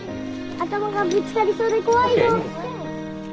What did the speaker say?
頭がぶつかりそうで怖いよ。